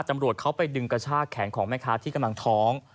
ตำรวจเขาไปดึงกระชากแขนของแม่ค้าที่กำลังท้อง